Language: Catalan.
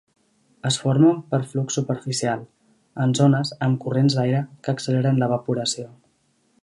Es formen per flux superficial, en zones amb corrents d'aire que acceleren l'evaporació.